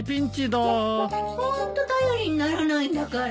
・ホント頼りにならないんだから。